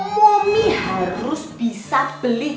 momi harus bisa beli